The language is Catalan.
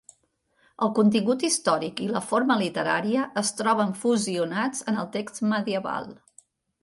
El contingut històric i la forma literària es troben fusionats en el text medieval.